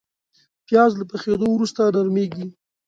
پیاز له پخېدو وروسته نرمېږي